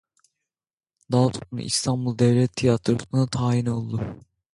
Daha sonra İstanbul Devlet Tiyatrosu'na tayin oldu.